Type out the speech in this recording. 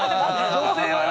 女性はな。